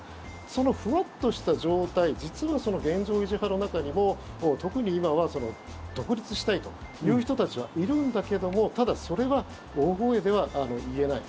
そのふわっとした状態実はその現状維持派の中にも特に今は独立したいという人たちはいるんだけどもただ、それは大声では言えない。